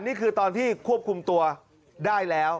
นี่คือตอนที่ควบคุมตัวได้แล้ว